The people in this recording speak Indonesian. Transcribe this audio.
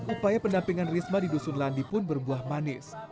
upaya pendampingan risma di dusun landi pun berbuah manis